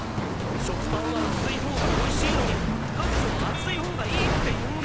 食パンは薄いほうがおいしいのに彼女は厚いほうがいいって言うんですよ！